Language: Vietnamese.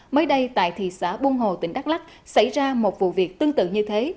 mới đây tại thị xã buôn hồ tỉnh đắk lắc xảy ra một vụ việc tương tự như thế